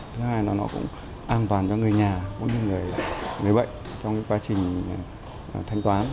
thứ hai là nó cũng an toàn cho người nhà mỗi người bệnh trong quá trình thanh toán